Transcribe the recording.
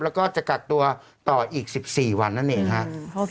แล้วก็จะกักตัวต่ออีก๑๔วันนั่นเองครับ